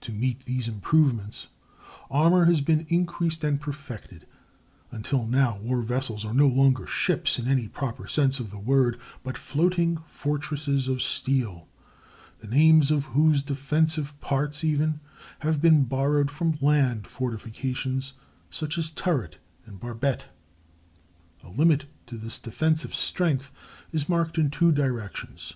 To meet these improvements armor has been increased and perfected, until now war vessels are no longer "ships" in any proper sense of the word, but floating fortresses of steel, the names of whose defensive parts, even, have been borrowed from land fortifications, such as turret and barbette. [Illustration: THE UNITED STATES BATTLE SHIP "MASSACHUSETTS."] A limit to this defensive strength is marked in two directions.